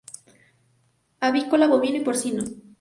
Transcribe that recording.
Avícola, bovino y porcino.